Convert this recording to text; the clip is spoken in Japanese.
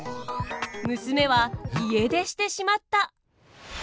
娘は家出してしまった！